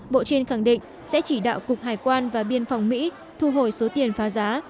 bộ trên khẳng định sẽ chỉ đạo cục hải quan và biên phòng mỹ thu hồi số tiền phá giá